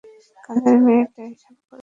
কাজের মেয়েটা এসব করেছে।